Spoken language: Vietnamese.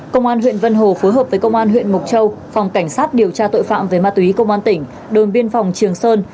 công an huyện vân hồ phối hợp với công an huyện mộc châu phòng cảnh sát điều tra tội phạm về ma túy công an tỉnh đồn biên phòng trường sơn